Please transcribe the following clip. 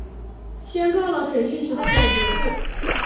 宣告了水运时代的结束